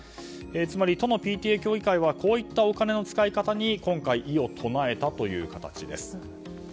つまり、都のＰＴＡ協議会はこういったお金の使い方に今回、異を唱えたという形です。